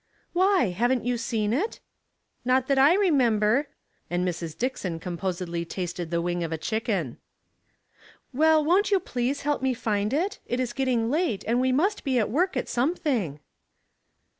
" Why, haven't you seen it ?"" Not that I remember ;" and Mrs. Dickioii composedly tasted the wing of a chicken. '^ Well, won't you please help me find it ? It is getting late, and we must be at work at some thing."